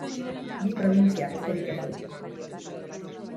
Bi probintzia besterik ez du.